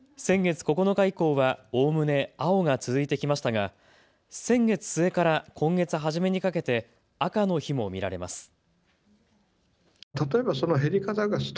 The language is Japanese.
先月９日以降はおおむね青が続いてきましたが先月末から今月初めにかけて赤の日も見られます。